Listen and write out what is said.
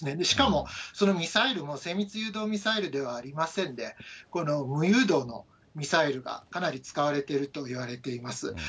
しかもそのミサイルも、精密誘導ミサイルではありませんで、無誘導のミサイルがかなり使われているといわれています。